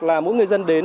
là mỗi người dân đến